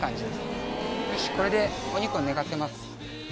よしこれでお肉を寝かせます。